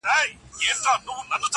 چي په لاره کي د دوی څنګ ته روان یم!!